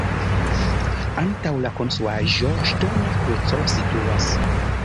Antaŭ la konstruaĵo ŝtona kruco situas.